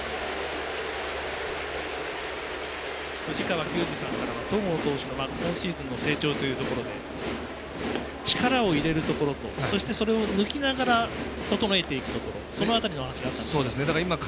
藤川球児さんからも戸郷選手の今シーズンの成長というところで力を入れるところと、それを抜きながら整えていくとその辺りの話がありました。